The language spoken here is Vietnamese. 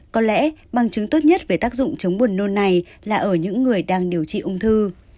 có lẽ bằng chứng tốt nhất về tác dụng chống buồn nôn này là ở những người đang điều trị ung thư